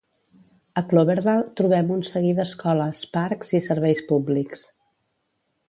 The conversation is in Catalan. A Cloverdale trobem un seguir d'escoles, parcs i serveis públics.